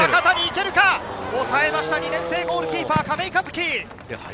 抑えました、２年生ゴールキーパー・亀井一起。